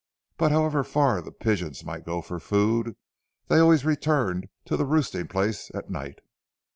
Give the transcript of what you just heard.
But however far the pigeons might go for food, they always returned to the roosting place at night.